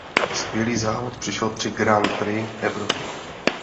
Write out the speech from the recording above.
Skvělý závod přišel při Grand Prix Evropy.